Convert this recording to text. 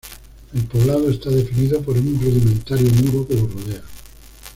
El poblado está definido por un rudimentario muro que lo rodea.